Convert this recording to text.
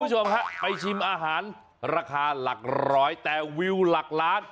คุณผู้ชมฮะไปชิมอาหารราคาหลักร้อยแต่วิวหลักล้าน